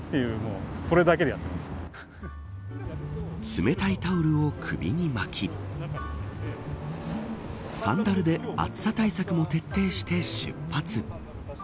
冷たいタオルを首に巻きサンダルで暑さ対策も徹底して出発。